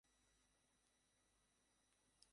তুমি পাগল হয়ে গেছো।